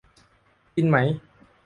กินไหม ?